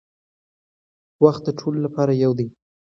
وخت د ټولو لپاره یو دی.